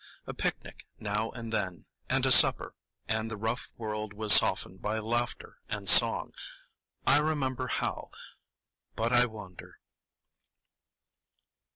A picnic now and then, and a supper, and the rough world was softened by laughter and song. I remember how— But I wander.